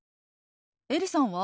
エリさんは？